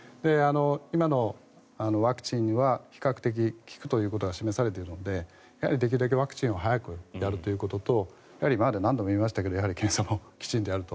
今のワクチンは比較的効くということが示されているのでやはりできるだけワクチンを早くやるということとやはり何度も言いましたが検査もきちんとやると。